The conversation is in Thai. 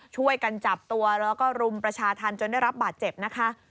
ช่วยกันจับตัวแล้วก็รุมประชาธรรมจนได้รับบาดเจ็บนะคะ